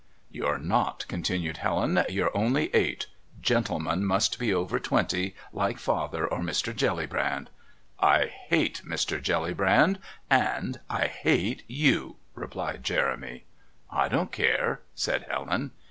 "You're not," continued Helen; "you're only eight. Gentlemen must be over twenty like Father or Mr. Jellybrand." "I hate Mr. Jellybrand and I hate you," replied Jeremy. "I don't care," said Helen.